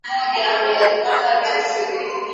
mwaka elfu moja mia tatu ishirini